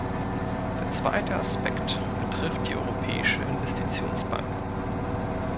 Der zweite Aspekt betrifft die Europäische Investitionsbank.